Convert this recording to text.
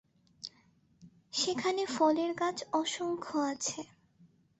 সেখানে ফলের গাছ অসংখ্য আছে।